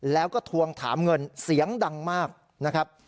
แล้วก็ทวงถามเงินเสียงดังมากนะครับ